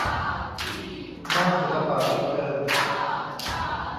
หน้าศิลปะบันเทิง